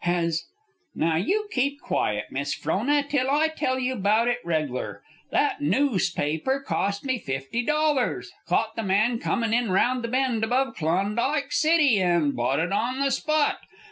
"Has " "Now you keep quiet, Miss Frona, till I tell you about it reg'lar. That noospaper cost me fifty dollars caught the man comin' in round the bend above Klondike City, an' bought it on the spot.